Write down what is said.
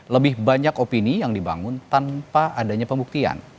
lebih banyak opini yang dibangun tanpa adanya pembuktian